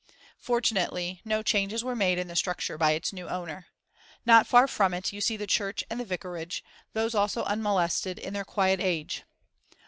Fortunately no changes were made in the structure by its new owner. Not far from it you see the church and the vicarage, these also unmolested in their quiet age.